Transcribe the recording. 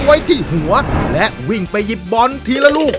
ไว้ที่หัวและวิ่งไปหยิบบอลทีละลูก